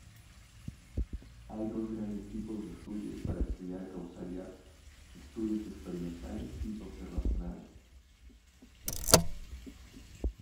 Hay dos grandes tipos de estudios para estudiar causalidad: estudios experimentales y observacionales.